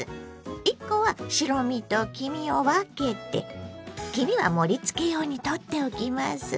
１コは白身と黄身を分けて黄身は盛りつけ用にとっておきます。